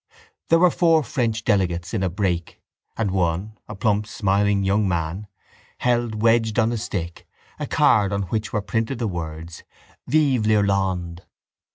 There were four French delegates in a brake and one, a plump smiling young man, held, wedged on a stick, a card on which were printed the words: _Vive l'Irlande!